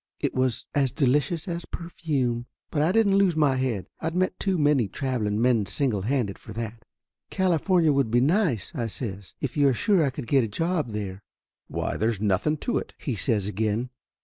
It was as delicious as perfume. But I didn't lose my head. I'd met too many traveling men single handed, for that. "California would be nice," I says, "if you are sure I could get a job there." "Why, there's nothing to it !" he says again.